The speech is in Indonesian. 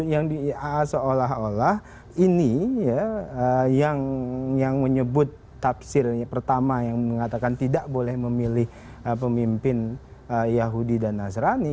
yang di seolah olah ini yang menyebut tafsir pertama yang mengatakan tidak boleh memilih pemimpin yahudi dan nasrani